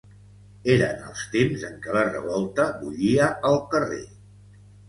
Eren els temps en què la revolta bullia al carrer.